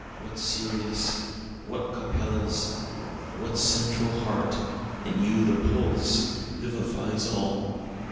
what Sirius'? what Capella's? What central heart and you the pulse vivifies all?